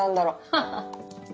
ハハハッ。